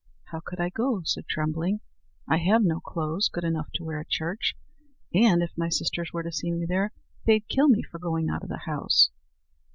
"How could I go?" said Trembling. "I have no clothes good enough to wear at church; and if my sisters were to see me there, they'd kill me for going out of the house."